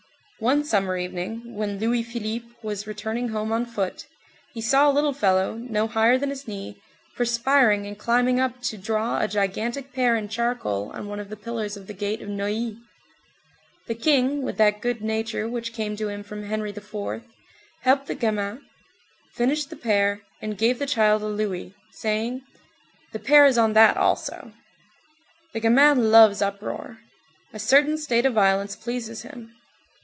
One summer evening, when Louis Philippe was returning home on foot, he saw a little fellow, no higher than his knee, perspiring and climbing up to draw a gigantic pear in charcoal on one of the pillars of the gate of Neuilly; the King, with that good nature which came to him from Henry IV., helped the gamin, finished the pear, and gave the child a louis, saying: "The pear is on that also."19 The gamin loves uproar. A certain state of violence pleases him.